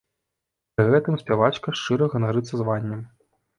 Пры гэтым спявачка шчыра ганарыцца званнем.